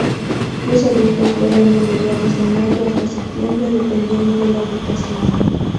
Los adultos vuelan de mediados de mayo hasta septiembre, dependiendo de la ubicación.